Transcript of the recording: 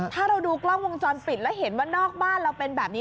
ถ้าเราดูกล้องวงจรปิดแล้วเห็นว่านอกบ้านเราเป็นแบบนี้